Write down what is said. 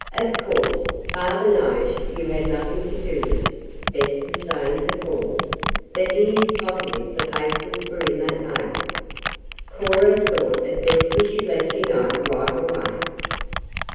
"Of course, father knows you had nothing to do with it," Bess was saying to Paul, "but he is positive the papers were in that mail. Corn, thought it best we should let you know right away."